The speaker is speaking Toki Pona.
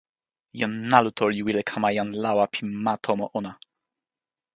jan Naluto li wile kama jan lawa pi ma tomo ona.